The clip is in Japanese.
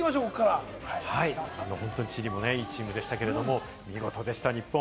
本当にチリもいいチームでしたけれど、見事でした、日本。